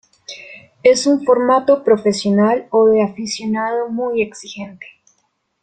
Es un formato profesional o de aficionado muy exigente.